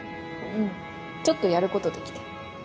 うんちょっとやることできて。